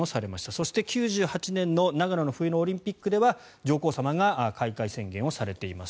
そして、１９９８年の長野の冬のオリンピックでは上皇さまが開会宣言をされています。